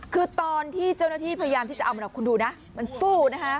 คือตอนที่เจ้าหน้าที่พยายามที่จะเอามันคุณดูนะมันสู้นะคะ